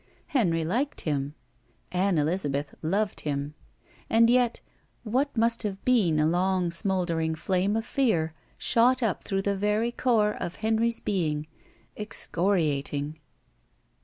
Henry liked him. Ann Elizabeth loved him. And yet, what must have been a long smoldering flame of fear shot up through the very core of Henry's being, excoriating.